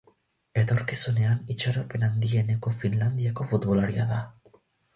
Etorkizunean itxaropen handieneko Finlandiako futbolaria da.